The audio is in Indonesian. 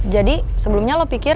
jadi sebelumnya lo pikir